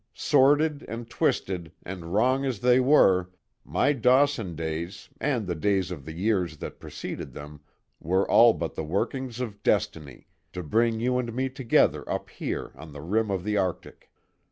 Sordid, and twisted, and wrong as they were, my Dawson days, and the days of the years that preceded them were all but the workings of destiny to bring you and me together up here on the rim of the Arctic.